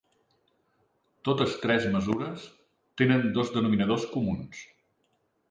Totes tres mesures tenen dos denominadors comuns.